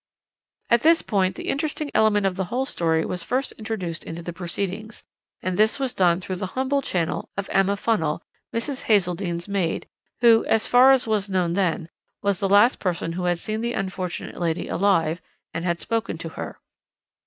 "At this point the interesting element of the whole story was first introduced into the proceedings, and this was done through the humble channel of Emma Funnel, Mrs. Hazeldene's maid, who, as far as was known then, was the last person who had seen the unfortunate lady alive and had spoken to her.